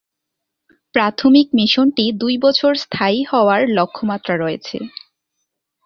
প্রাথমিক মিশনটি দুই বছর স্থায়ী হওয়ার লক্ষ্যমাত্রা রয়েছে।